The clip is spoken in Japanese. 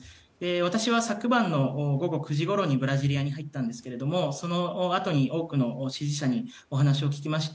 私は昨晩の午後９時ごろにブラジリアに入ったんですがそのあとに多くの支持者にお話を聞きまして。